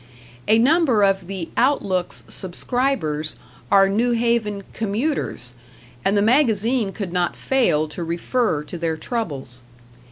A number of the "Outlook's" subscribers are New Haven "commuters", and the magazine could not fail to refer to their troubles.